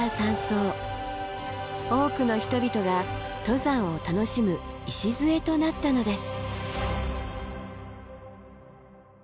多くの人々が登山を楽しむ礎となったのです。